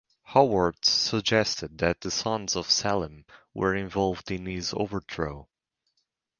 Howorth suggested that the sons of Selim were involved in his overthrow.